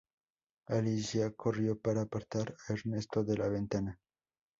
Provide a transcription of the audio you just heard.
Alicia corrió para apartar a Ernesto de la ventana.